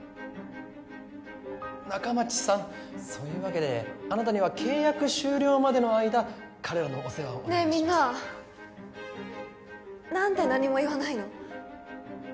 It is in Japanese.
仲町さんそういうわけであなたには契約終了までの間彼らのお世話をねえみんななんで何も言わないの？